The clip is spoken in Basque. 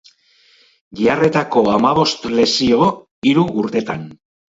Giharretako hamabost lesio hiru urtetan.